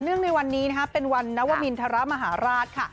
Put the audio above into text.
เนื่องในวันนี้นะฮะเป็นวันนาวมิณธรมหาราชค่ะ